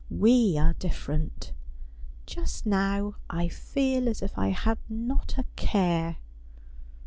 We are different. Just now I feel as if I had not a care.'